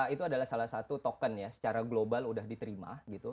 itu adalah salah satu token ya secara global udah diterima gitu